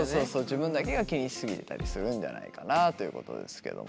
自分だけが気にし過ぎてたりするんじゃないかなということですけども。